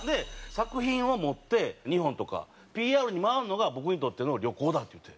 作品を持って日本とかＰＲに回るのが僕にとっての旅行だっていって。